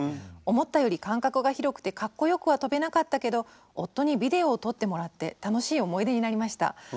思ったより間隔が広くてかっこよくはとべなかったけど夫にビデオを撮ってもらって楽しい思い出になりました。